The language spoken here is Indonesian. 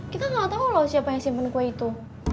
kita gak tau loh siapa yang simpen kue itu